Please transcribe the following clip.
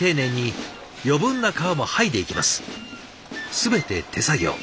全て手作業。